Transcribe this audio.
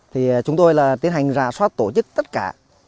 thì chúng tôi là tiến hành rà soát tổ chức tất cả